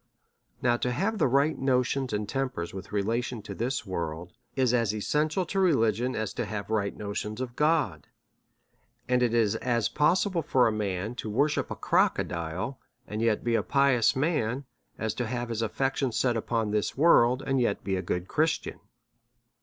Now, to have right notions and tempers with rela , tion to this world, is as essential to religion as to have right notions of God ; and it is as possible for a man \ to worship a crocodile, and yet be a pious man, as to have his affections set upon this world, and yet be a good Christian.